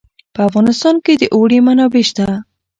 په افغانستان کې د اوړي منابع شته.